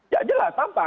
ya jelas tampak